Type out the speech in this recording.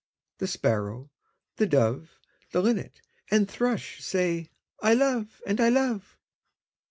The Sparrow, the Dove, The Linnet and Thrush say, 'I love and I love!'